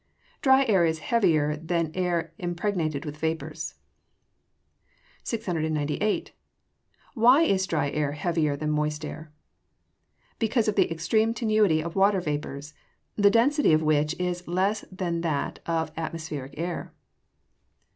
_ Dry air is heavier than air impregnated with vapours. 698. Why is dry air heavier than moist air? Because of the extreme tenuity of watery vapours, the density of which is less than that of atmospheric air.